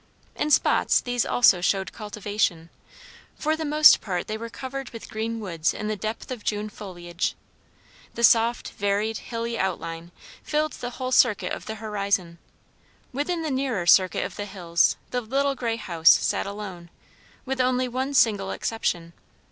In spots these also showed cultivation; for the most part they were covered with green woods in the depth of June foliage. The soft, varied hilly outline filled the whole circuit of the horizon; within the nearer circuit of the hills the little grey house sat alone, with only one single exception.